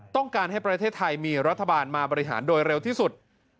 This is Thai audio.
ต้องการให้ประเทศไทยมีรัฐบาลมาบริหารโดยเร็วที่สุด